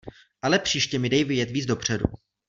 Ale příště mi dej vědět víc dopředu.